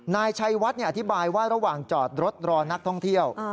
นายชัยวัดอธิบายว่าระหว่างจอดรถรอนักท่องเที่ยว